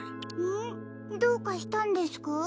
どうかしたんですか？